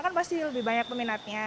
kan pasti lebih banyak peminatnya